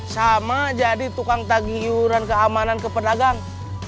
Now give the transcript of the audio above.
sama jadi tukang tagiuran keamanan ke pedagang